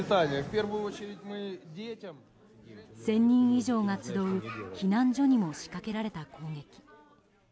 １０００人以上が集う避難所にも、仕掛けられた攻撃。